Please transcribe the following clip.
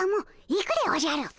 行くでおじゃる！